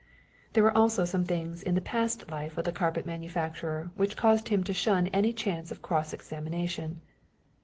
There were also some things in the past life of the carpet manufacturer which caused him to shun any chance of cross examination.